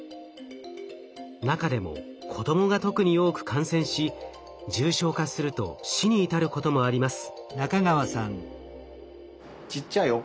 中でも子どもが特に多く感染し重症化すると死に至ることもあります。